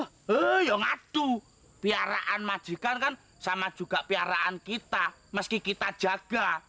oh ya ngadu piaraan majikan kan sama juga piaraan kita meski kita jaga